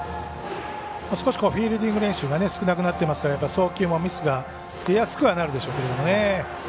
フィールディング練習が少なくなってますから送球もミスが出やすくはなるでしょうけどね。